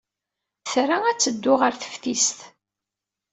Tra ad teddu ɣer teftist.